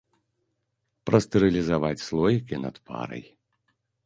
Прастэрылізаваць слоікі над парай.